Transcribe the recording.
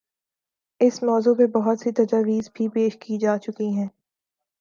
اس موضوع پہ بہت سی تجاویز بھی پیش کی جا چکی ہیں۔